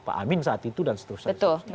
pak amin saat itu dan seterusnya